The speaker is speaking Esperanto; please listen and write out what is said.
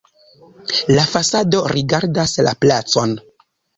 La fasado rigardas la placon.